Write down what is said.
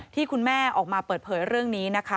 ที่คุณแม่ออกมาเปิดเผยเรื่องนี้นะคะ